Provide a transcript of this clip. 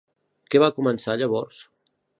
Què va començar llavors?